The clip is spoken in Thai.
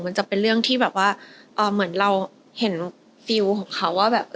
จะเป็นเรื่องที่แบบว่าเหมือนเราเห็นฟิลของเขาว่าแบบ